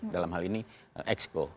dalam hal ini expo